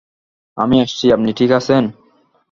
আমি আসছি - আপনি ঠিক আছেন?